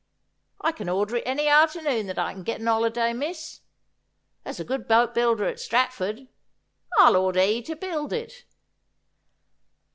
I can order it any arternoon that I can get an 'oliday, miss. There's a good boat builder at Stratford. I'll order he to build it.'